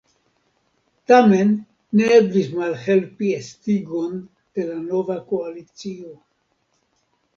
Tamen ne eblis malhelpi estigon de la nova koalicio.